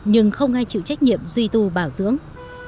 nhưng không ai chịu trách nhiệm duy tu bảo dưỡng